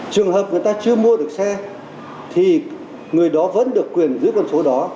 trường hợp người ta chưa mua được xe thì người đó vẫn được quyền giữ con số đó